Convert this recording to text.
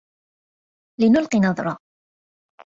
لنلقِ نظرة.